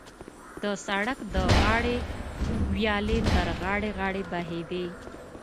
د سړک د غاړې ویالې تر غاړې غاړې بهېدې.